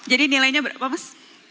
jadi nilainya berapa mas